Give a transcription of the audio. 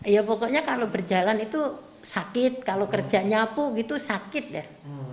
ya pokoknya kalau berjalan itu sakit kalau kerja nyapu gitu sakit deh